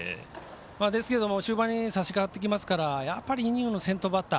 ですけども終盤にさしかかってきますからイニングの先頭バッター